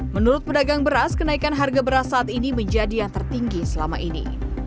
menurut pedagang beras kenaikan harga beras saat ini menjadi yang tertinggi selama ini